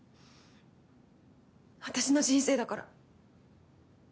私の人生だから。